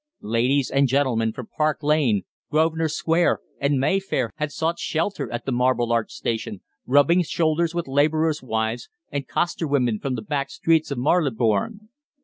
Ladies and gentlemen from Park Lane, Grosvenor Square, and Mayfair had sought shelter at the Marble Arch Station, rubbing shoulders with labourers' wives and costerwomen from the back streets of Marylebone.